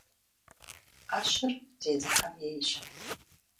Iэщыр зезыхьэм ейщ.